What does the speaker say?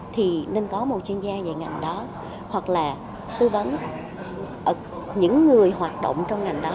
thì nên có một chuyên gia về ngành đó hoặc là tư vấn những người hoạt động trong ngành đó